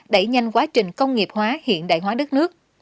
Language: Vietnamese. đẩy nhanh quá trình công nghiệp hóa hiện đại hóa đất nước